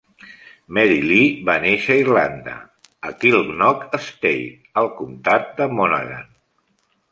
Mary Lee va néixer a Irlanda, a Kilknock Estate, al comtat de Monaghan.